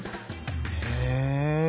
へえ。